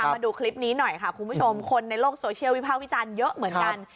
มาดูคลิปนี้หน่อยค่ะคุณผู้ชมคนในโลกโซเชียลวิภาควิจารณ์เยอะเหมือนกัน